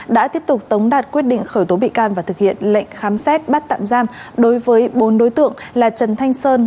đã tiếp tục tống đạt quyết định khởi tố bị can và thực hiện lệnh khám xét bắt tạm giam đối với bốn đối tượng là trần thanh sơn